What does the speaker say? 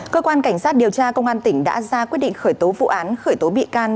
cơ quan cảnh sát điều tra công an tỉnh đã ra quyết định khởi tố vụ án khởi tố bị can